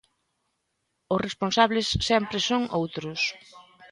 Os responsables sempre son outros.